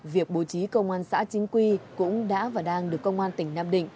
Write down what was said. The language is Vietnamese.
việc bố trí công an xã chính quy cũng đã và đang được công an tỉnh nam định